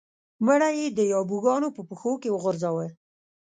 مړی یې د یابو ګانو په پښو کې وغورځاوه.